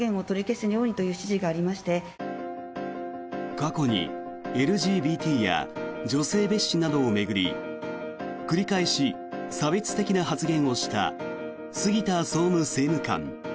過去にＬＧＢＴや女性蔑視などを巡り繰り返し差別的な発言をした杉田総務政務官。